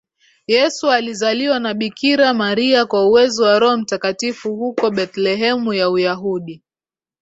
Yesu alizaliwa na bikira Maria kwa uwezo wa Roho Mtakatifu huko Bethlehemu ya Uyahudi